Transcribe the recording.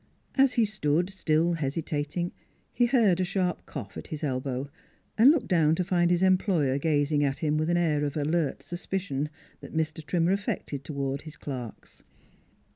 As he stood, still hesitating, he heard a sharp cough at his 160 NEIGHBORS elbow and looked down to find his employer, gaz ing at him with the air of alert suspicion Mr. Trimmer affected toward his clerks.